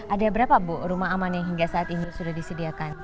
apa namanya rumah aman yang hingga saat ini sudah disediakan